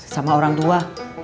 sama orang tua